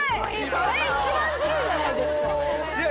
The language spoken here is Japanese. それ一番ずるいじゃないですかいや